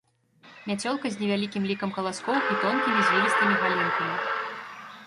Мяцёлка з невялікім лікам каласкоў і тонкімі звілістымі галінкамі.